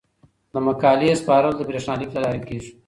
د مقالې سپارل د بریښنالیک له لارې کیږي.